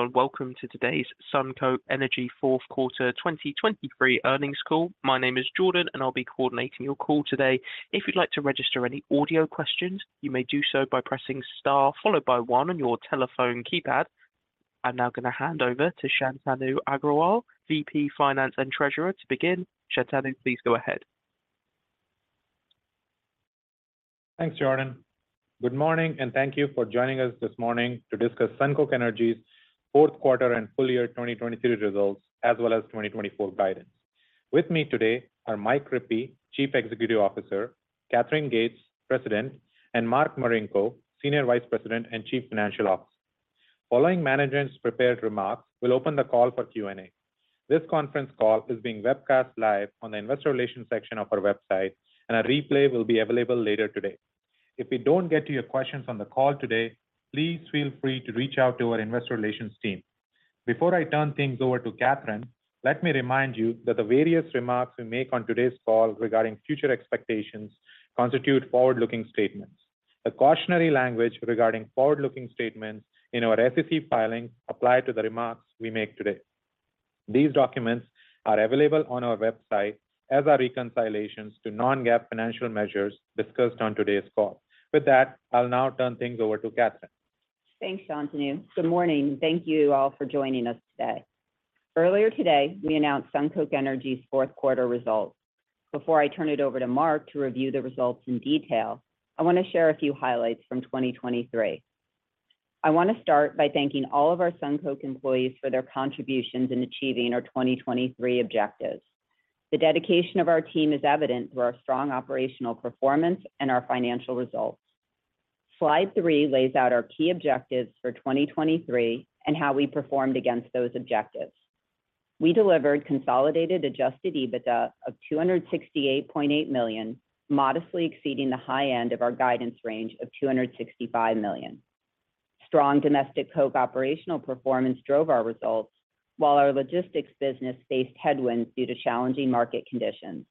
Hello, and welcome to today's SunCoke Energy fourth quarter 2023 earnings call. My name is Jordan, and I'll be coordinating your call today. If you'd like to register any audio questions, you may do so by pressing Star, followed by One on your telephone keypad. I'm now gonna hand over to Shantanu Agrawal, VP Finance and Treasurer, to begin. Shantanu, please go ahead. Thanks, Jordan. Good morning, and thank you for joining us this morning to discuss SunCoke Energy's fourth quarter and full year 2023 results, as well as 2024 guidance. With me today are Mike Rippey, Chief Executive Officer; Katherine Gates, President; and Mark Marinko, Senior Vice President and Chief Financial Officer. Following management's prepared remarks, we'll open the call for Q&A. This conference call is being webcast live on the investor relations section of our website, and a replay will be available later today. If we don't get to your questions on the call today, please feel free to reach out to our investor relations team. Before I turn things over to Katherine, let me remind you that the various remarks we make on today's call regarding future expectations constitute forward-looking statements. The cautionary language regarding forward-looking statements in our SEC filings apply to the remarks we make today. These documents are available on our website, as are reconciliations to non-GAAP financial measures discussed on today's call. With that, I'll now turn things over to Katherine. Thanks, Shantanu. Good morning, and thank you all for joining us today. Earlier today, we announced SunCoke Energy's fourth quarter results. Before I turn it over to Mark to review the results in detail, I want to share a few highlights from 2023. I want to start by thanking all of our SunCoke employees for their contributions in achieving our 2023 objectives. The dedication of our team is evident through our strong operational performance and our financial results. Slide 3 lays out our key objectives for 2023 and how we performed against those objectives. We delivered consolidated Adjusted EBITDA of $268.8 million, modestly exceeding the high end of our guidance range of $265 million. Strong domestic coke operational performance drove our results, while our logistics business faced headwinds due to challenging market conditions.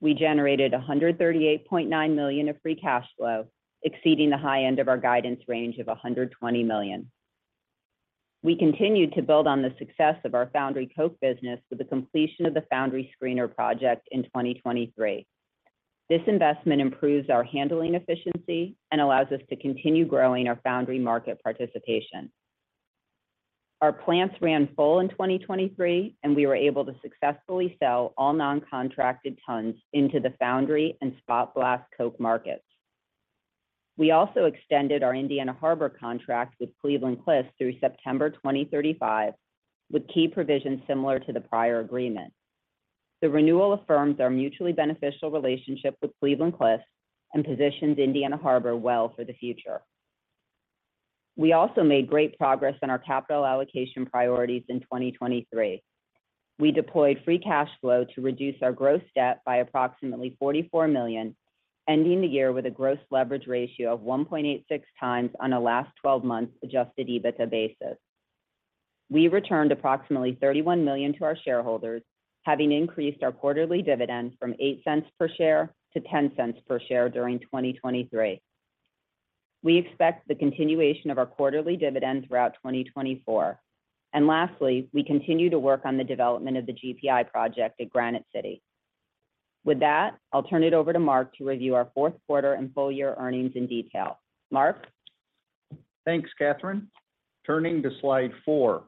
We generated $138.9 million of free cash flow, exceeding the high end of our guidance range of $120 million. We continued to build on the success of our foundry coke business with the completion of the foundry screener project in 2023. This investment improves our handling efficiency and allows us to continue growing our foundry market participation. Our plants ran full in 2023, and we were able to successfully sell all non-contracted tons into the foundry and spot blast coke markets. We also extended our Indiana Harbor contract with Cleveland-Cliffs through September 2035, with key provisions similar to the prior agreement. The renewal affirms our mutually beneficial relationship with Cleveland-Cliffs and positions Indiana Harbor well for the future. We also made great progress on our capital allocation priorities in 2023. We deployed free cash flow to reduce our gross debt by approximately $44 million, ending the year with a gross leverage ratio of 1.86 times on a last 12-month Adjusted EBITDA basis. We returned approximately $31 million to our shareholders, having increased our quarterly dividend from $0.08 per share to $0.10 per share during 2023. We expect the continuation of our quarterly dividend throughout 2024. Lastly, we continue to work on the development of the GPI project at Granite City. With that, I'll turn it over to Mark to review our fourth quarter and full year earnings in detail. Mark? Thanks, Katherine. Turning to Slide 4.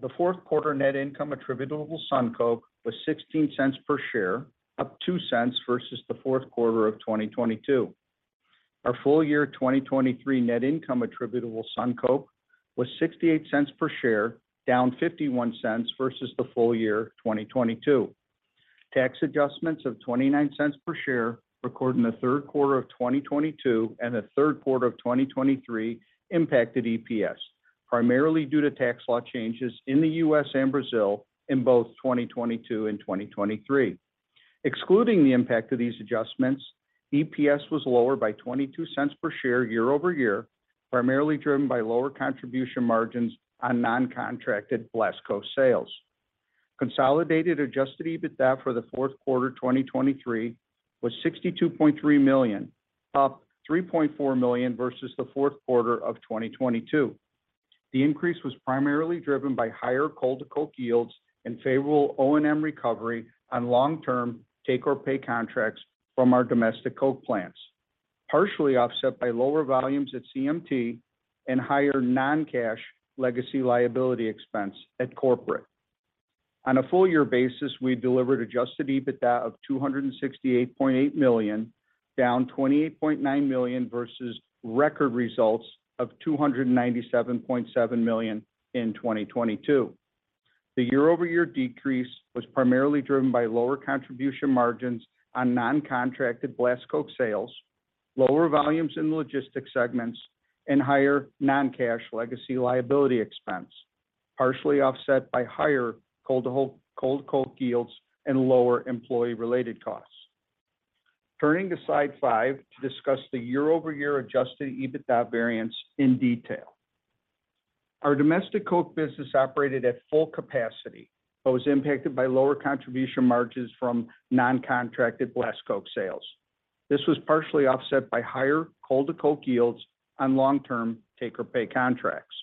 The fourth quarter net income attributable to SunCoke was $0.16 per share, up $0.02 versus the fourth quarter of 2022. Our full year 2023 net income attributable to SunCoke was $0.68 per share, down $0.51 versus the full year 2022. Tax adjustments of $0.29 per share recorded in the third quarter of 2022 and the third quarter of 2023 impacted EPS, primarily due to tax law changes in the U.S. and Brazil in both 2022 and 2023. Excluding the impact of these adjustments, EPS was lower by $0.22 per share year-over-year, primarily driven by lower contribution margins on non-contracted blast coke sales. Consolidated Adjusted EBITDA for the fourth quarter 2023 was $62.3 million, up $3.4 million versus the fourth quarter of 2022. The increase was primarily driven by higher coal-to-coke yields and favorable O&M recovery on long-term take-or-pay contracts from our domestic coke plants, partially offset by lower volumes at CMT and higher non-cash legacy liability expense at corporate. On a full year basis, we delivered Adjusted EBITDA of $268.8 million, down $28.9 million versus record results of $297.7 million in 2022. The year-over-year decrease was primarily driven by lower contribution margins on non-contracted blast coke sales, lower volumes in the logistics segments, and higher non-cash legacy liability expense, partially offset by higher coal-to-coke yields and lower employee-related costs. Turning to Slide 5 to discuss the year-over-year Adjusted EBITDA variance in detail. Our domestic coke business operated at full capacity, but was impacted by lower contribution margins from non-contracted blast coke sales.... This was partially offset by higher coal-to-coke yields on long-term take-or-pay contracts.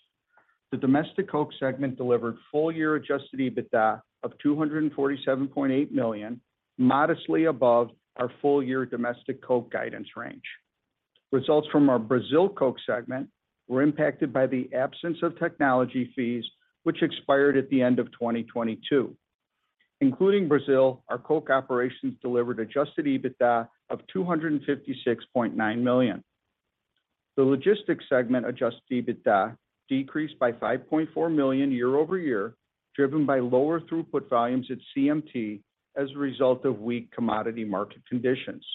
The domestic coke segment delivered full-year Adjusted EBITDA of $247.8 million, modestly above our full-year domestic coke guidance range. Results from our Brazil coke segment were impacted by the absence of technology fees, which expired at the end of 2022. Including Brazil, our coke operations delivered Adjusted EBITDA of $256.9 million. The logistics segment Adjusted EBITDA decreased by $5.4 million year-over-year, driven by lower throughput volumes at CMT as a result of weak commodity market conditions.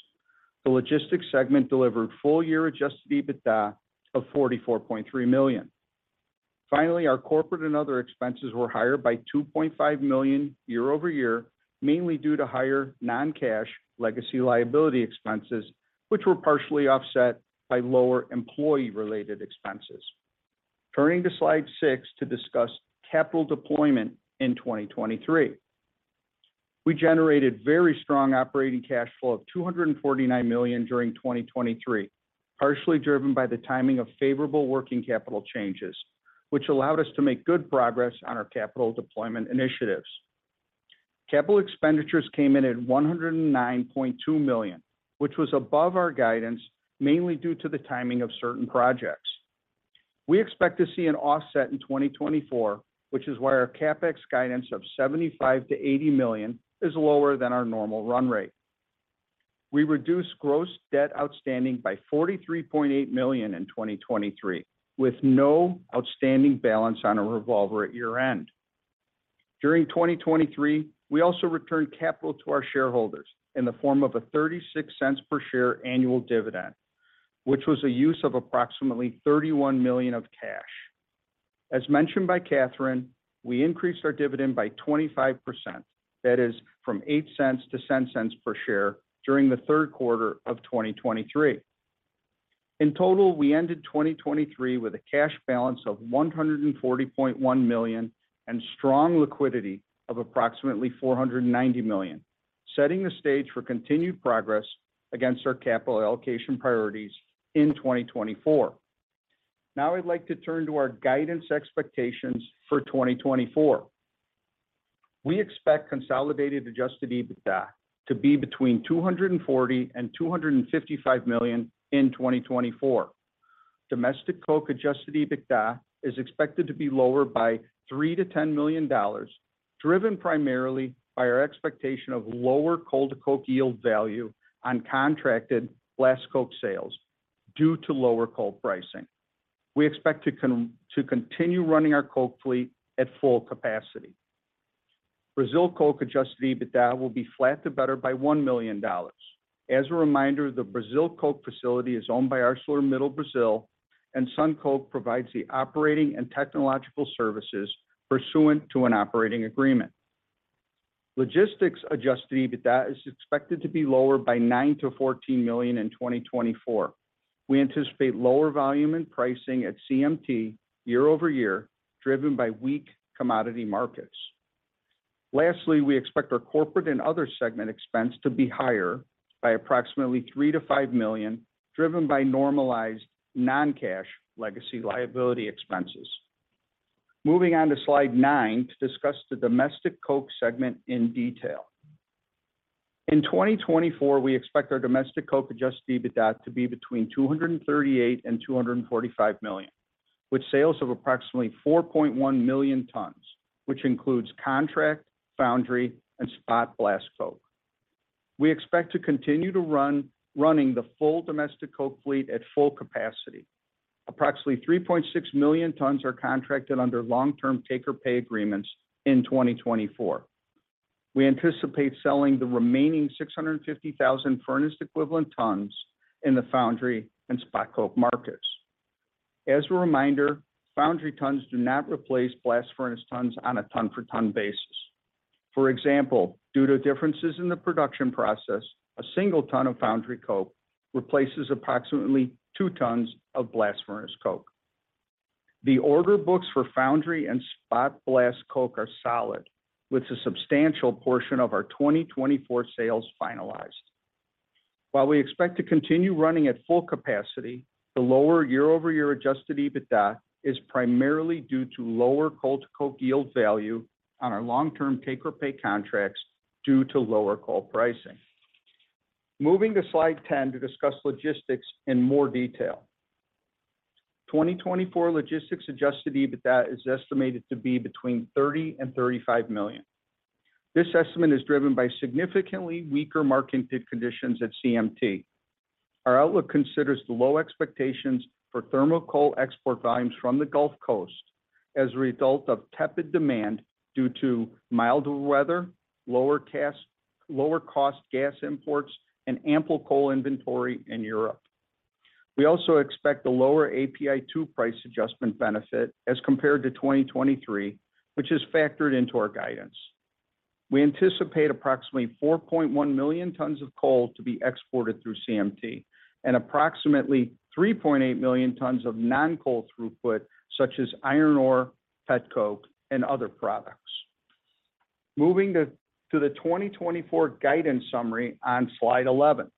The logistics segment delivered full-year Adjusted EBITDA of $44.3 million. Finally, our corporate and other expenses were higher by $2.5 million year-over-year, mainly due to higher non-cash legacy liability expenses, which were partially offset by lower employee-related expenses. Turning to Slide 6 to discuss capital deployment in 2023. We generated very strong operating cash flow of $249 million during 2023, partially driven by the timing of favorable working capital changes, which allowed us to make good progress on our capital deployment initiatives. Capital expenditures came in at $109.2 million, which was above our guidance, mainly due to the timing of certain projects. We expect to see an offset in 2024, which is why our CapEx guidance of $75 million-$80 million is lower than our normal run rate. We reduced gross debt outstanding by $43.8 million in 2023, with no outstanding balance on a revolver at year-end. During 2023, we also returned capital to our shareholders in the form of a $0.36 per share annual dividend, which was a use of approximately $31 million of cash. As mentioned by Katherine, we increased our dividend by 25%. That is from $0.08 to $0.10 per share during the third quarter of 2023. In total, we ended 2023 with a cash balance of $140.1 million, and strong liquidity of approximately $490 million, setting the stage for continued progress against our capital allocation priorities in 2024. Now, I'd like to turn to our guidance expectations for 2024. We expect consolidated Adjusted EBITDA to be between $240 million and $255 million in 2024. Domestic coke Adjusted EBITDA is expected to be lower by $3 million-$10 million, driven primarily by our expectation of lower coal-to-coke yield value on contracted blast coke sales due to lower coal pricing. We expect to continue running our coke fleet at full capacity. Brazil coke Adjusted EBITDA will be flat to better by $1 million. As a reminder, the Brazil coke facility is owned by ArcelorMittal Brazil, and SunCoke provides the operating and technological services pursuant to an operating agreement. Logistics Adjusted EBITDA is expected to be lower by $9 million-$14 million in 2024. We anticipate lower volume and pricing at CMT year-over-year, driven by weak commodity markets. Lastly, we expect our corporate and other segment expense to be higher by approximately $3 million-$5 million, driven by normalized non-cash legacy liability expenses. Moving on to Slide 9 to discuss the domestic coke segment in detail. In 2024, we expect our domestic coke adjusted EBITDA to be between $238 million and $245 million, with sales of approximately 4.1 million tons, which includes contract, foundry, and spot blast coke. We expect to continue running the full domestic coke fleet at full capacity. Approximately 3.6 million tons are contracted under long-term take-or-pay agreements in 2024. We anticipate selling the remaining 650,000 furnace equivalent tons in the foundry and spot coke markets. As a reminder, foundry tons do not replace blast furnace tons on a ton-for-ton basis. For example, due to differences in the production process, a single ton of foundry coke replaces approximately two tons of blast furnace coke. The order books for foundry and spot blast coke are solid, with a substantial portion of our 2024 sales finalized. While we expect to continue running at full capacity, the lower year-over-year adjusted EBITDA is primarily due to lower coal to coke yield value on our long-term take-or-pay contracts due to lower coal pricing. Moving to Slide 10 to discuss logistics in more detail. 2024 logistics adjusted EBITDA is estimated to be between $30 million and $35 million. This estimate is driven by significantly weaker market conditions at CMT. Our outlook considers the low expectations for thermal coal export volumes from the Gulf Coast as a result of tepid demand due to milder weather, lower cost gas imports, and ample coal inventory in Europe. We also expect a lower API2 price adjustment benefit as compared to 2023, which is factored into our guidance. We anticipate approximately 4.1 million tons of coal to be exported through CMT, and approximately 3.8 million tons of non-coal throughput, such as iron ore, petcoke, and other products. Moving to the 2024 guidance summary on Slide 11.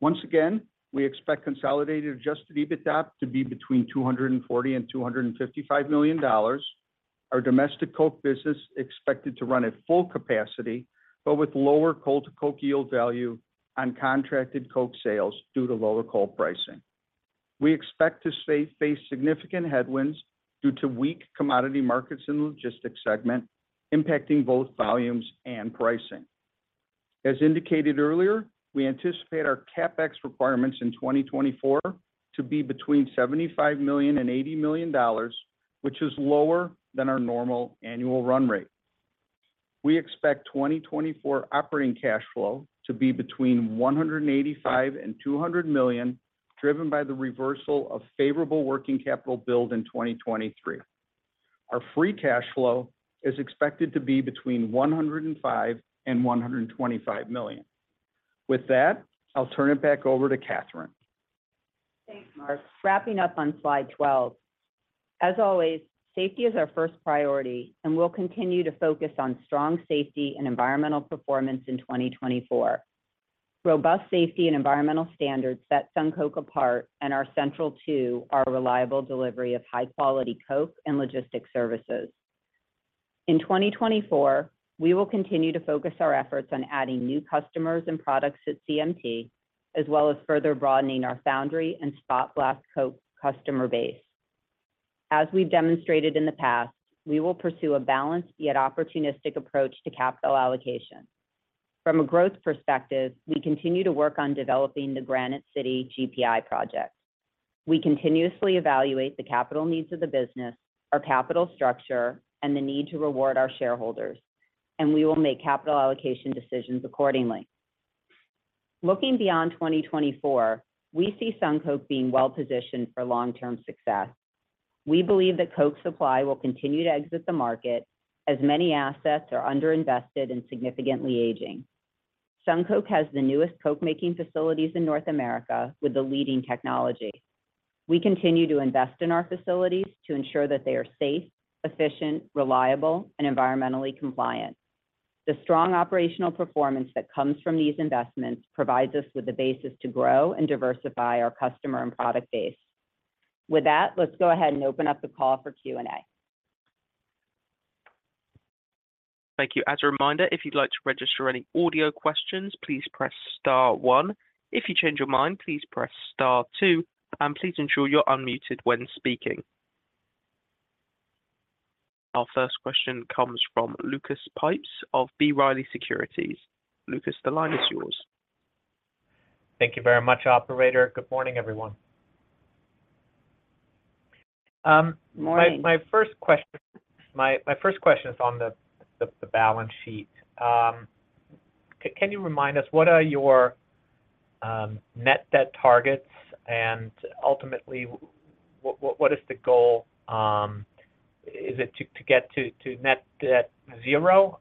Once again, we expect consolidated Adjusted EBITDA to be between $240 million and $255 million. Our domestic coke business expected to run at full capacity, but with lower coal-to-coke yield value on contracted coke sales due to lower coal pricing. We expect to face significant headwinds due to weak commodity markets in the logistics segment, impacting both volumes and pricing. As indicated earlier, we anticipate our CapEx requirements in 2024 to be between $75 million and $80 million, which is lower than our normal annual run rate. We expect 2024 operating cash flow to be between $185 million and $200 million, driven by the reversal of favorable working capital build in 2023. Our free cash flow is expected to be between $105 million and $125 million. With that, I'll turn it back over to Katherine. Thanks, Mark. Wrapping up on Slide 12. As always, safety is our first priority, and we'll continue to focus on strong safety and environmental performance in 2024. Robust safety and environmental standards set SunCoke apart and are central to our reliable delivery of high-quality coke and logistics services. In 2024, we will continue to focus our efforts on adding new customers and products at CMT, as well as further broadening our foundry and spot blast coke customer base. As we've demonstrated in the past, we will pursue a balanced yet opportunistic approach to capital allocation. From a growth perspective, we continue to work on developing the Granite City GPI project. We continuously evaluate the capital needs of the business, our capital structure, and the need to reward our shareholders, and we will make capital allocation decisions accordingly. Looking beyond 2024, we see SunCoke being well positioned for long-term success. We believe that coke supply will continue to exit the market as many assets are underinvested and significantly aging. SunCoke has the newest coke-making facilities in North America with the leading technology. We continue to invest in our facilities to ensure that they are safe, efficient, reliable, and environmentally compliant. The strong operational performance that comes from these investments provides us with the basis to grow and diversify our customer and product base. With that, let's go ahead and open up the call for Q&A. Thank you. As a reminder, if you'd like to register any audio questions, please press Star, One. If you change your mind, please press Star Two, and please ensure you're unmuted when speaking. Our first question comes from Lucas Pipes of B. Riley Securities. Lucas, the line is yours. Thank you very much, operator. Good morning, everyone. Morning. My first question is on the balance sheet. Can you remind us, what are your net debt targets? And ultimately, what is the goal? Is it to get to net debt zero?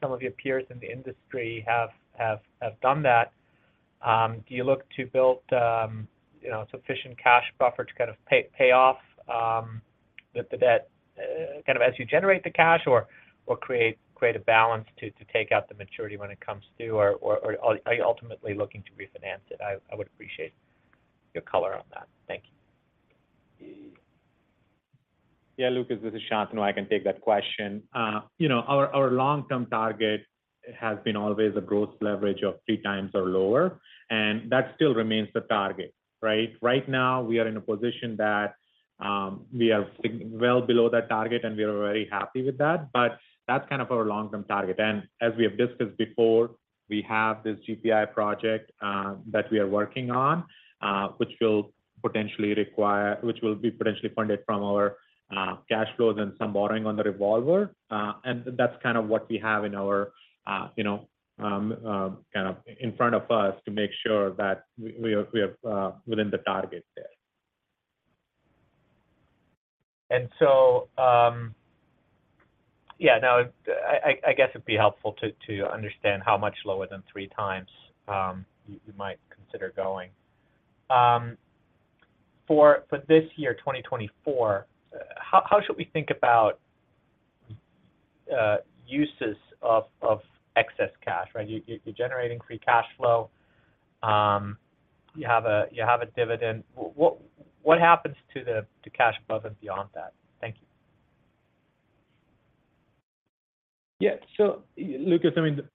Some of your peers in the industry have done that. Do you look to build, you know, sufficient cash buffer to kind of pay off the debt kind of as you generate the cash, or create a balance to take out the maturity when it comes due, or are you ultimately looking to refinance it? I would appreciate your color on that. Thank you. Yeah, Lucas, this is Shantanu. I can take that question. You know, our long-term target has been always a gross leverage of 3x or lower, and that still remains the target, right? Right now, we are in a position that we are sitting well below that target, and we are very happy with that, but that's kind of our long-term target. And as we have discussed before, we have this GPI project that we are working on, which will potentially require, which will be potentially funded from our cash flows and some borrowing on the revolver. And that's kind of what we have in our you know kind of in front of us to make sure that we are within the target there. Yeah, no, I guess it'd be helpful to understand how much lower than three times you might consider going. For this year, 2024, how should we think about uses of excess cash, right? You're generating free cash flow. You have a dividend. What happens to the cash above and beyond that? Thank you. Yeah. So Lucas, I mean, the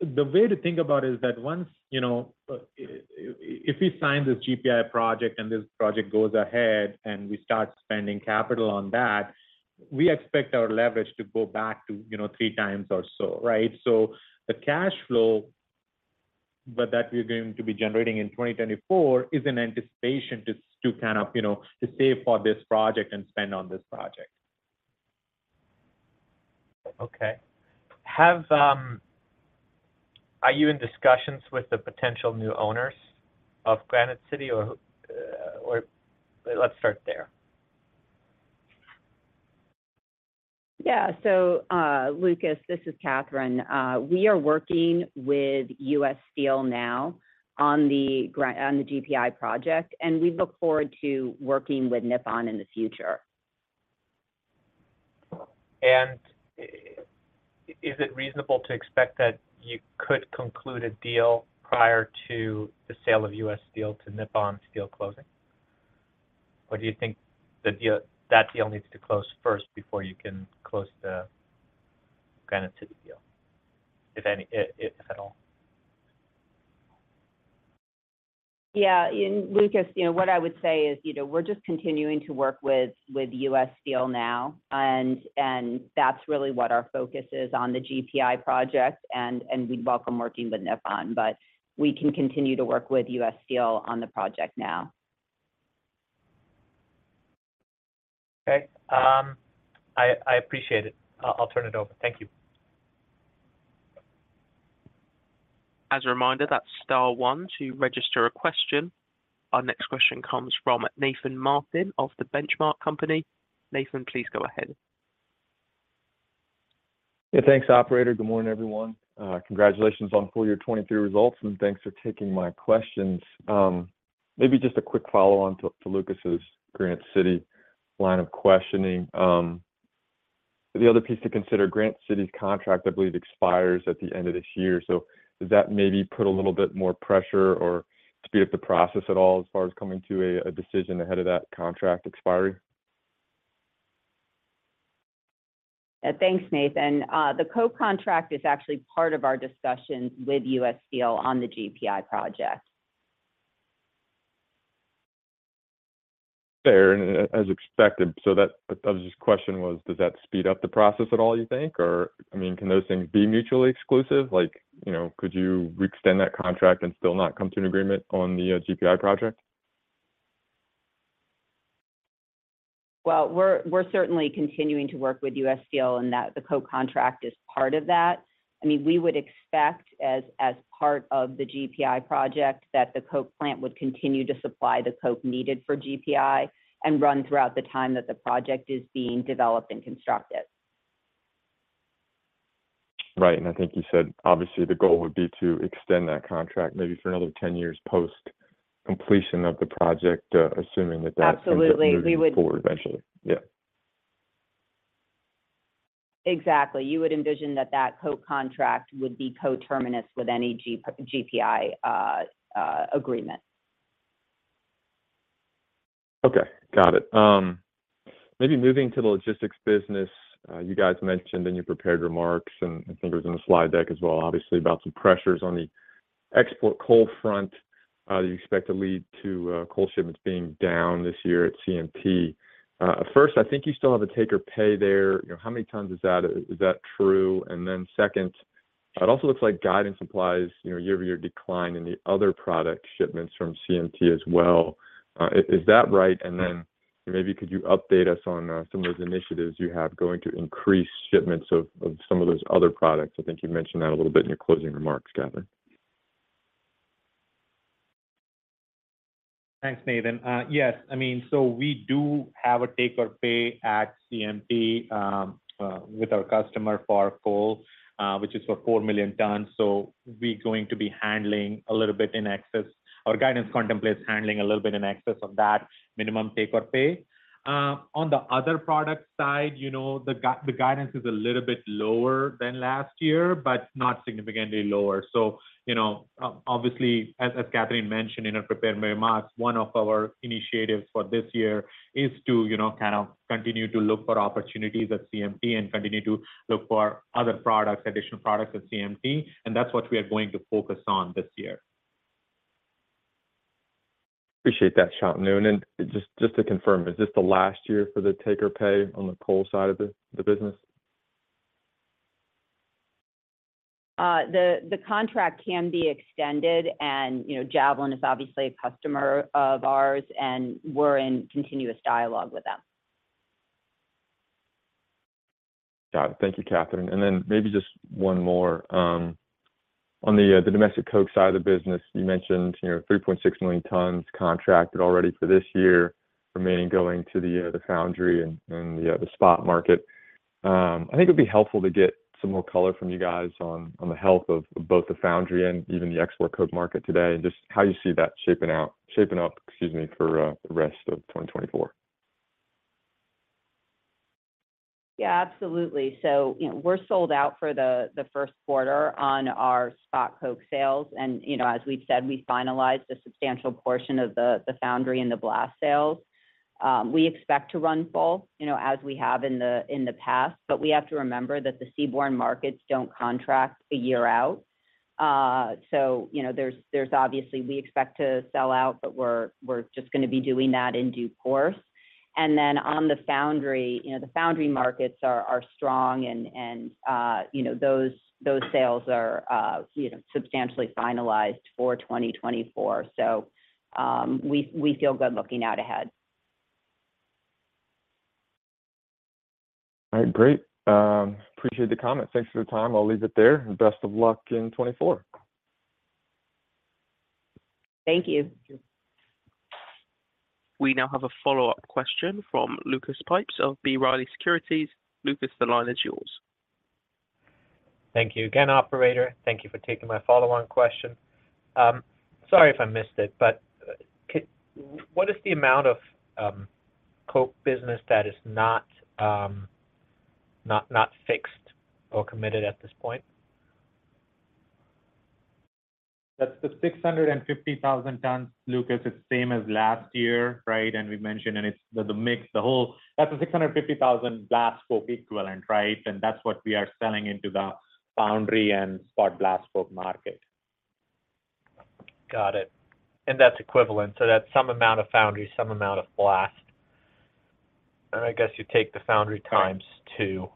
way to think about it is that once, you know, if we sign this GPI project, and this project goes ahead, and we start spending capital on that, we expect our leverage to go back to, you know, 3x or so, right? So the cash flow that we're going to be generating in 2024 is in anticipation to to kind of, you know, to save for this project and spend on this project. Okay. Are you in discussions with the potential new owners of Granite City or, or let's start there? Yeah. So, Lucas, this is Katherine. We are working with US Steel now on the GPI project, and we look forward to working with Nippon in the future.... is it reasonable to expect that you could conclude a deal prior to the sale of US Steel to Nippon Steel closing? Or do you think the deal, that deal needs to close first before you can close the Granite City deal, if any, if at all? Yeah, Lucas, you know, what I would say is, you know, we're just continuing to work with US Steel now, and that's really what our focus is on the GPI project, and we'd welcome working with Nippon, but we can continue to work with US Steel on the project now. Okay, I appreciate it. I'll turn it over. Thank you. As a reminder, that's Star, One to register a question. Our next question comes from Nathan Martin of The Benchmark Company. Nathan, please go ahead. Yeah, thanks, operator. Good morning, everyone. Congratulations on full year 2023 results, and thanks for taking my questions. Maybe just a quick follow-on to Lucas's Granite City line of questioning. The other piece to consider, Granite City's contract, I believe, expires at the end of this year. So does that maybe put a little bit more pressure or speed up the process at all as far as coming to a decision ahead of that contract expiry? Thanks, Nathan. The coke contract is actually part of our discussion with US Steel on the GPI project. Fair, and as expected. So that just question was, does that speed up the process at all, you think, or, I mean, can those things be mutually exclusive? Like, you know, could you re-extend that contract and still not come to an agreement on the GPI project? Well, we're certainly continuing to work with US Steel, and that the coke contract is part of that. I mean, we would expect as part of the GPI project, that the coke plant would continue to supply the coke needed for GPI and run throughout the time that the project is being developed and constructed. Right. And I think you said obviously the goal would be to extend that contract maybe for another 10 years post completion of the project, assuming that. Absolutely, we would- moves forward eventually. Yeah. Exactly. You would envision that that coke contract would be coterminous with any GPI agreement. Okay, got it. Maybe moving to the logistics business, you guys mentioned in your prepared remarks, and I think it was in the slide deck as well, obviously, about some pressures on the export coal front, you expect to lead to coal shipments being down this year at CMT. First, I think you still have a take-or-pay there. You know, how many times is that? Is that true? And then second, it also looks like guidance supplies, you know, year-over-year decline in the other product shipments from CMT as well. Is that right? And then maybe could you update us on some of those initiatives you have going to increase shipments of some of those other products? I think you mentioned that a little bit in your closing remarks, Katherine. Thanks, Nathan. Yes. I mean, so we do have a take-or-pay at CMT with our customer for coal, which is for 4 million tons. So we're going to be handling a little bit in excess. Our guidance contemplates handling a little bit in excess of that minimum take-or-pay. On the other product side, you know, the guidance is a little bit lower than last year, but not significantly lower. So, you know, obviously, as Katherine mentioned in her prepared remarks, one of our initiatives for this year is to, you know, kind of continue to look for opportunities at CMT and continue to look for other products, additional products at CMT. And that's what we are going to focus on this year. Appreciate that, Shantanu. And then just, just to confirm, is this the last year for the take-or-pay on the coal side of the, the business? The contract can be extended, and, you know, Javelin is obviously a customer of ours, and we're in continuous dialogue with them. Got it. Thank you, Katherine. And then maybe just one more. On the domestic coke side of the business, you mentioned, you know, 3.6 million tons contracted already for this year, remaining going to the foundry and the spot market. I think it'd be helpful to get some more color from you guys on the health of both the foundry and even the export coke market today, and just how you see that shaping up, excuse me, for the rest of 2024. Yeah, absolutely. So, you know, we're sold out for the first quarter on our spot coke sales, and, you know, as we've said, we finalized a substantial portion of the foundry and the blast sales. We expect to run full, you know, as we have in the past, but we have to remember that the seaborne markets don't contract a year out. So, you know, there's obviously we expect to sell out, but we're just gonna be doing that in due course. And then on the foundry, you know, the foundry markets are strong and, you know, those sales are substantially finalized for 2024. So, we feel good looking out ahead. All right, great. Appreciate the comments. Thanks for your time. I'll leave it there, and best of luck in 2024. Thank you. We now have a follow-up question from Lucas Pipes of B. Riley Securities. Lucas, the line is yours.... Thank you again, operator. Thank you for taking my follow-on question. Sorry if I missed it, but what is the amount of coke business that is not fixed or committed at this point? That's the 650,000 tons, Lucas. It's same as last year, right? We mentioned, it's the 650,000 blast coke equivalent, right? And that's what we are selling into the foundry and spot blast coke market. Got it. That's equivalent, so that's some amount of foundry, some amount of blast. I guess you take the foundry times two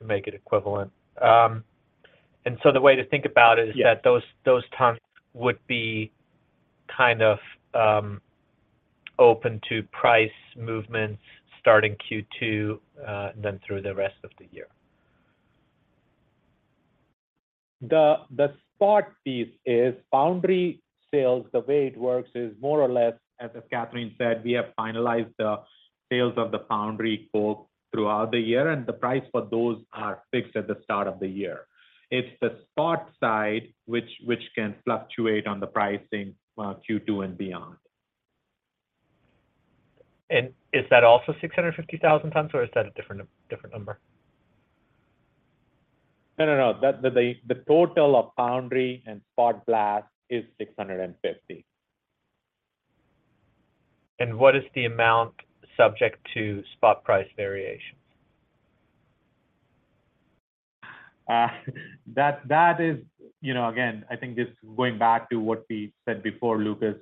to make it equivalent. The way to think about it- Yeah... is that those tons would be kind of open to price movements starting Q2 then through the rest of the year. The spot piece is foundry sales. The way it works is more or less, as Katherine said, we have finalized the sales of the foundry coke throughout the year, and the price for those are fixed at the start of the year. It's the spot side, which can fluctuate on the pricing, Q2 and beyond. Is that also 650,000 tons, or is that a different number? No, no, no. The total of foundry and spot blast is 650. What is the amount subject to spot price variations? You know, again, I think this going back to what we said before, Lucas.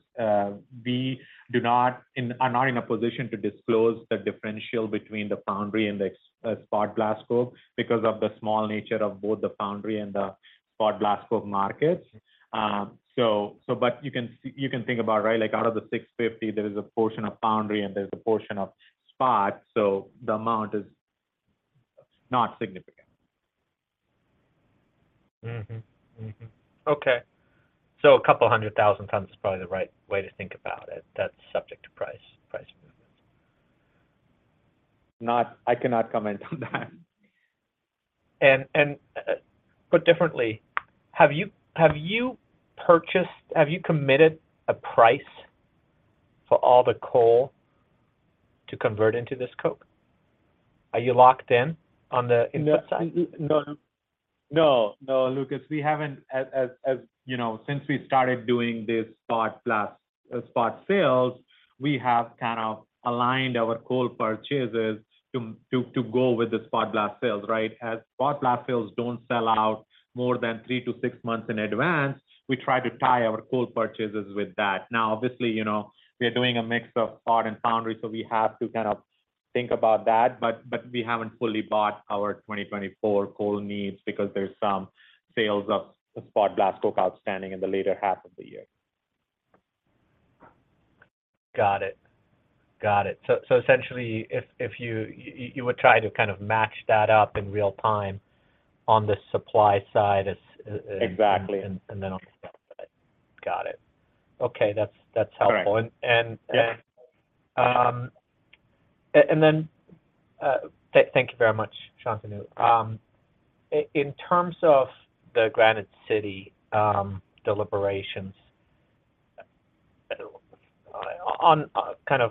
We are not in a position to disclose the differential between the foundry and the spot blast coke because of the small nature of both the foundry and the spot blast coke markets. But you can think about, right? Like out of the 650, there is a portion of foundry, and there's a portion of spot, so the amount is not significant. Mm-hmm, mm-hmm. Okay. So 200,000 tons is probably the right way to think about it. That's subject to price, price movements. No, I cannot comment on that. Put differently, have you committed a price for all the coal to convert into this coke? Are you locked in on the input side? No, no, no, Lucas, we haven't. As you know, since we started doing this spot blast spot sales, we have kind of aligned our coal purchases to go with the spot blast sales, right? As spot blast sales don't sell out more than three to six months in advance, we try to tie our coal purchases with that. Now, obviously, you know, we are doing a mix of spot and foundry, so we have to kind of think about that, but we haven't fully bought our 2024 coal needs because there's some sales of spot blast coke outstanding in the later half of the year. Got it. Got it. So, so essentially, if you would try to kind of match that up in real time on the supply side, as- Exactly... And then on the side. Got it. Okay, that's helpful. Correct. And, and- Yeah And then, thank you very much, Shantanu. In terms of the Granite City deliberations, kind of,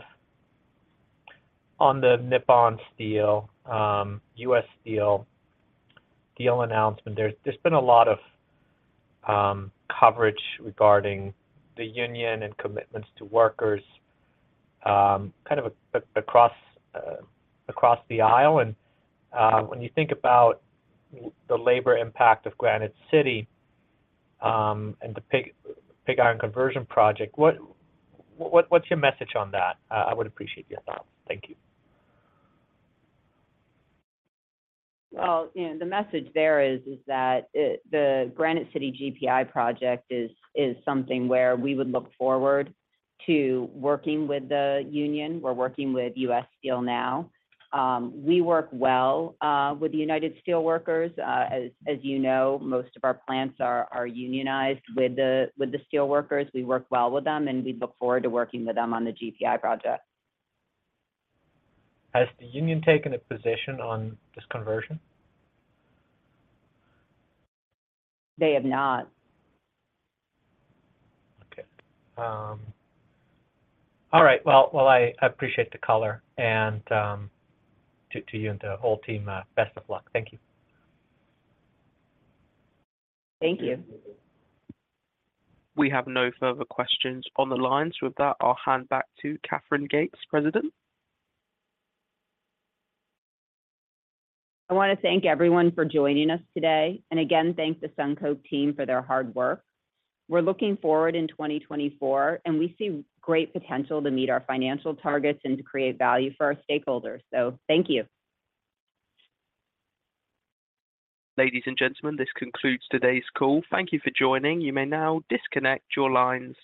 on the Nippon Steel US Steel deal announcement, there's been a lot of coverage regarding the union and commitments to workers, kind of across the aisle. And when you think about the labor impact of Granite City and the pig iron conversion project, what's your message on that? I would appreciate your thoughts. Thank you. Well, you know, the message there is that the Granite City GPI project is something where we would look forward to working with the union. We're working with US Steel now. We work well with the United Steelworkers. As you know, most of our plants are unionized with the steelworkers. We work well with them, and we look forward to working with them on the GPI project. Has the union taken a position on this conversion? They have not. Okay. All right. Well, I appreciate the call, and to you and the whole team, best of luck. Thank you. Thank you. Thank you. We have no further questions on the lines. With that, I'll hand back to Katherine Gates, President. I want to thank everyone for joining us today, and again, thank the SunCoke team for their hard work. We're looking forward in 2024, and we see great potential to meet our financial targets and to create value for our stakeholders. Thank you. Ladies and gentlemen, this concludes today's call. Thank you for joining. You may now disconnect your lines.